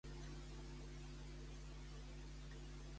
Quina resposta li ha donat Le Maire?